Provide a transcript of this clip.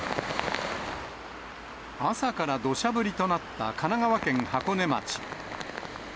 朝からどしゃ降りとなった神奈川県箱根町。